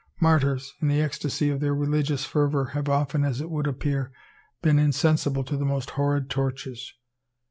Martyrs, in the ecstasy of their religious fervour have often, as it would appear, been insensible to the most horrid tortures.